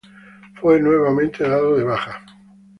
Fue nuevamente dado de baja.